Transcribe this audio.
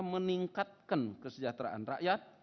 meningkatkan kesejahteraan rakyat